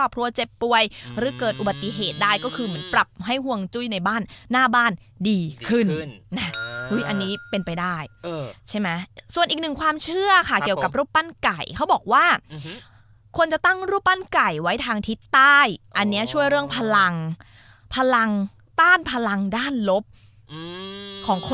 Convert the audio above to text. ปกติแล้วมันก็จะมีแต่ตุ๊กตาช้างม้าเล็ก